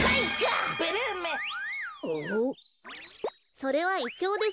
それはイチョウです。